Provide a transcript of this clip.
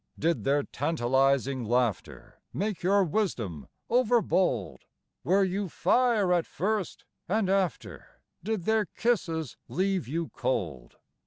Did their tantalizing laughter Make your wisdom overbold? Were you fire at first; and after, Did their kisses leave you cold?